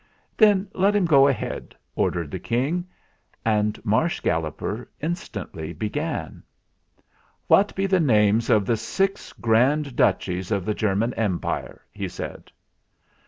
"Then let him go ahead !" ordered the King, and Marsh Galloper instantly began. "What be the names of the six Grand Duchies of the German Empire ?" he said.